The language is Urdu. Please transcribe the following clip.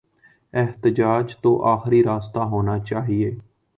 احتجاج تو آخری راستہ ہونا چاہیے۔